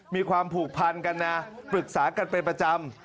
มีความผูกพันกันนะปรึกษากันเป็นประจำ